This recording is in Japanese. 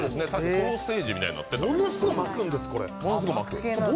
ソーセージみたいになってた。